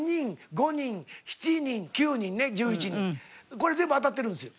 これ全部当たってるんですよ